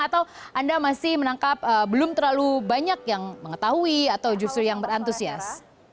atau anda masih menangkap belum terlalu banyak yang mengetahui atau justru yang berantusias